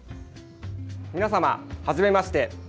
皆様、初めまして。